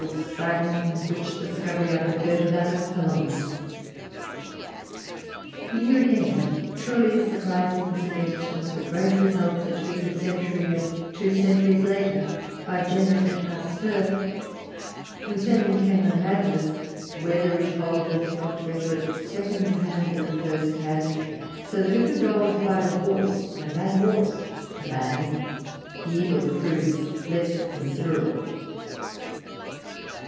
Sang.,' which discovery I prefer to that of Columbus." And here again a truly surprising suggestion of the great results achieved a century and two centuries later by Jenner and Pasteur concerning canine madness, "whether it holdeth not better at second than at first hand, so that if a dog bite a horse, and that horse a man, the evil proves less considerable."